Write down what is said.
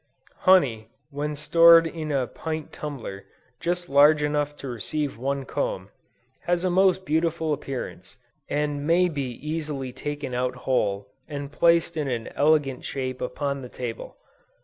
Honey, when stored in a pint tumbler, just large enough to receive one comb, has a most beautiful appearance, and may be easily taken out whole, and placed in an elegant shape upon the table.